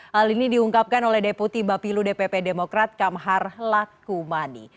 hal ini diungkapkan oleh deputi bapilu dpp demokrat kamhar lakumani